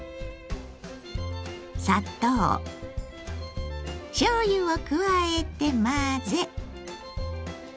砂糖しょうゆを加えて混ぜ。